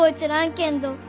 けんど